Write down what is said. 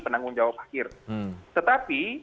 penanggung jawab akhir tetapi